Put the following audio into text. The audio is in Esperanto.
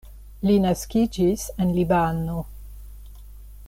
Li naskiĝis en Libano.